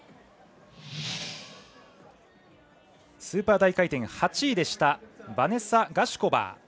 スーパー大回転８位でしたバネサ・ガシュコバー。